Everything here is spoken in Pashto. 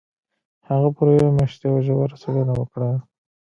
هغه پوره يوه مياشت يوه ژوره څېړنه وکړه.